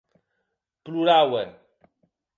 Ploraue.